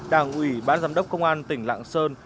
đảng ủy bán giám đốc công an tỉnh lãng sơn